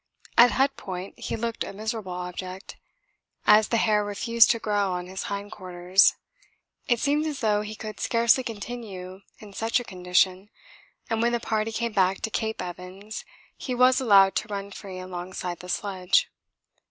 At Hut Point he looked a miserable object, as the hair refused to grow on his hindquarters. It seemed as though he could scarcely continue in such a condition, and when the party came back to Cape Evans he was allowed to run free alongside the sledge.